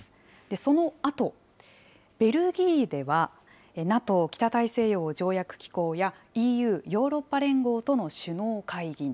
そのあと、ベルギーでは、ＮＡＴＯ・北大西洋条約機構や、ＥＵ・ヨーロッパ連合との首脳会議に。